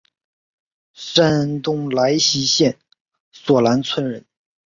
山东莱西县索兰村人。